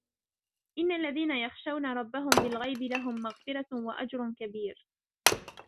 إن الذين يخشون ربهم بالغيب لهم مغفرة وأجر كبير